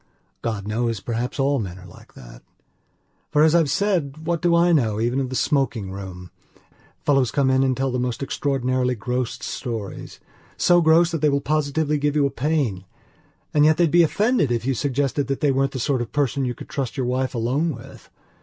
God knows, perhaps all men are like that. For as I've said what do I know even of the smoking room? Fellows come in and tell the most extraordinarily gross storiesso gross that they will positively give you a pain. And yet they'd be offended if you suggested that they weren't the sort of person you could trust your wife alone with.